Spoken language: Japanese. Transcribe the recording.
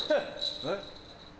えっ？